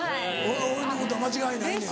俺の言うこと間違いないねん。